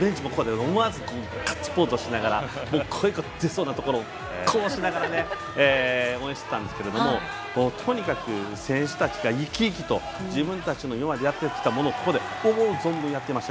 ベンチもガッツポーズをしながら声が出そうなところをガッツポーズしながら応援してたんですけどとにかく、選手たちが生き生きと自分たちの今までやってきたことを思う存分やっていました。